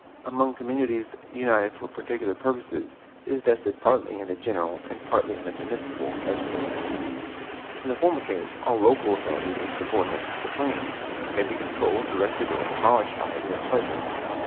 Among communities united for particular purposes, it is vested partly in the general and partly in the municipal legislatures. In the former case, all local authorities are subordinate to the supreme; and may be controlled, directed, or abolished by it at pleasure.